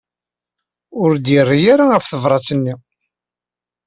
Ur d-yerri ara ɣef tebṛat-nni.